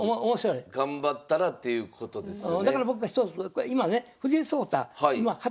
頑張ったらということですよね。